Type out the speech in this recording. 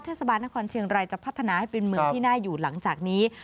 เทศบาลนครเชียงรายจะพัฒนาให้เป็นเมืองที่น่าอยู่หลังจากนี้